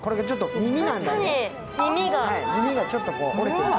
耳がちょっと折れてる。